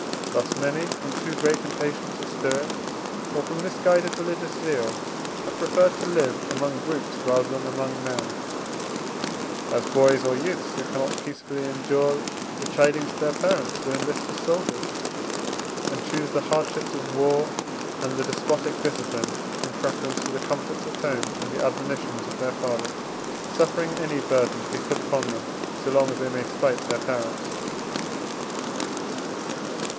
Thus many from too great impatience of spirit, or from misguided religious zeal, have preferred to live among brutes rather than among men; as boys or youths, who cannot peaceably endure the chidings of their parents, will enlist as soldiers and choose the hardships of war and the despotic discipline in preference to the comforts of home and the admonitions of their father: suffering any burden to be put upon them, so long as they may spite their parents.